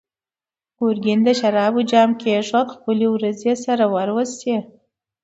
ګرګين د شرابو جام کېښود، خپلې وروځې يې سره وروستې.